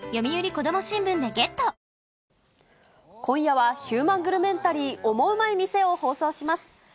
今夜は、ヒューマングルメンタリー、オモウマい店を放送します。